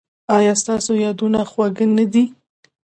ایا ستاسو یادونه خوږه نه ده؟